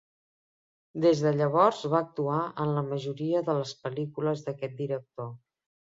Des de llavors va actuar en la majoria de les pel·lícules d'aquest director.